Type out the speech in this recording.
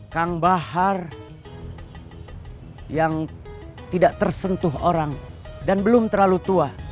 kang bahar yang tidak tersentuh orang dan belum terlalu tua